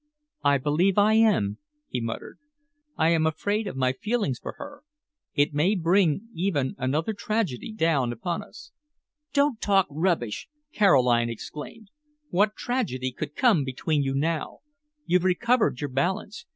"I believe I am," he muttered. "I am afraid of my feelings for her. It may bring even another tragedy down upon us." "Don't talk rubbish!" Caroline exclaimed. "What tragedy could come between you now? You've recovered your balance.